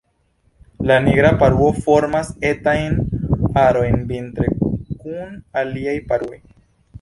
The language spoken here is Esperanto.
La Nigra paruo formas etajn arojn vintre kun aliaj paruoj.